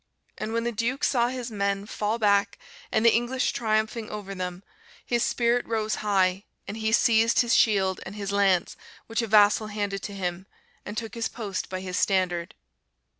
And when the Duke saw his men fall back and the English triumphing over them, his spirit rose high, and he seized his shield and his lance, which a vassal handed to him, and took his post by his standard.